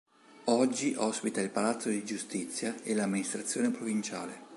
Oggi ospita il Palazzo di Giustizia e l'amministrazione provinciale.